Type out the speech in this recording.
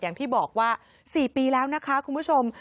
อย่างที่บอกว่า๔ปีแล้วนะคะคุณผู้ชม